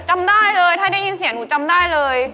จำได้เลยถ้าได้ยินเสียงหนูจำได้เลย